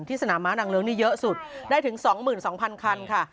สนามม้านางเลิ้งนี่เยอะสุดได้ถึง๒๒๐๐คันค่ะ